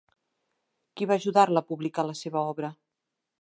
Qui va ajudar-la a publicar la seva obra?